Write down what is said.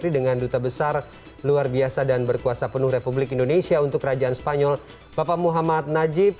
dengan duta besar luar biasa dan berkuasa penuh republik indonesia untuk kerajaan spanyol bapak muhammad najib